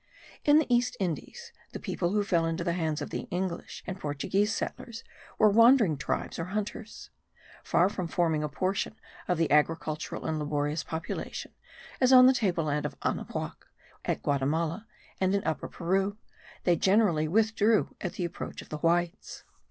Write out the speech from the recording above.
In the East Indies, the people who fell into the hands of the English and Portuguese settlers were wandering tribes or hunters. Far from forming a portion of the agricultural and laborious population, as on the tableland of Anahuac, at Guatimala and in Upper Peru, they generally withdrew at the approach of the whites.